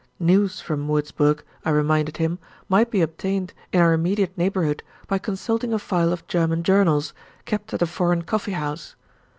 News from Wurzburg, I reminded him, might be obtained in our immediate neighborhood by consulting a file of German journals, kept at a foreign coffee house.